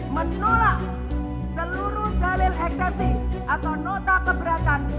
satu menolak seluruh dalil eksepsi atau nota keberatan